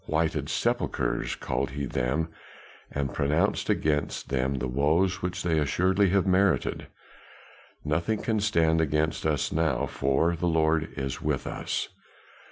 Whited sepulchres called he them, and pronounced against them the woes which they assuredly have merited. Nothing can stand against us now, for the Lord is with us!"